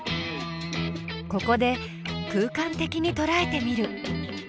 ここで空間的にとらえてみる。